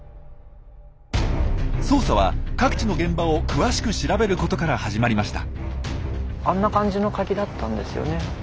捜査は各地の現場を詳しく調べることから始まりました。